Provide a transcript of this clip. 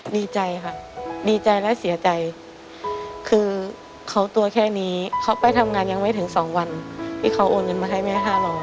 ดีใจค่ะดีใจและเสียใจคือเขาตัวแค่นี้เขาไปทำงานยังไม่ถึง๒วันที่เขาโอนเงินมาให้แม่๕๐๐